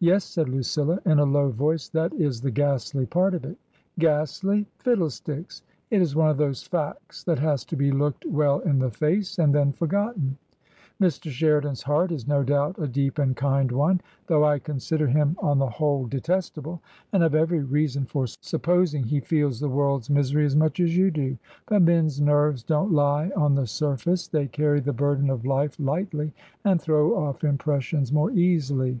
"Yes," said Lucilla, in a low voice; "that is the ghastly part of it." "Ghastly? Fiddlesticks! It is one of those facts that has to be looked well in the face and then forgotten. Mr. Sheridan's heart is no doubt a deep and kind one— though I consider him on the whole detestable — and I've every reason for supposing he feels the world's misery as much as you do. But men's nerves don't lie on the surface ; they carry the burden of life lightly and throw off impressions more easily.